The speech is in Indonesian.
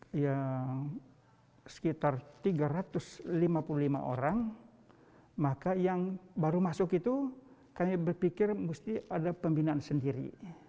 nah yang sekitar tiga ratus lima puluh lima orang maka yang baru masuk itu kami berpikir mesti ada pembinaan sendiri